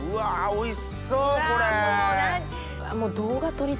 おいしそうこれ。